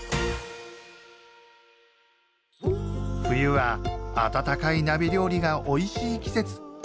冬は温かい鍋料理がおいしい季節。